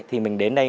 thì mình đến đây